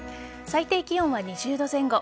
最低気温は２０度前後。